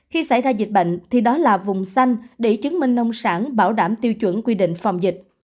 khi xảy ra dịch bệnh thì đó là vùng xanh để chứng minh nông sản bảo đảm tiêu chuẩn quy định phòng dịch